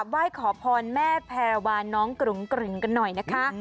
ว่ายขอพรแม่แพรวานน้องกรึ๋งกรึ๋งกันหน่อยนะคะ